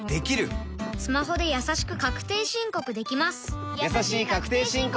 スマホでやさしく確定申告できます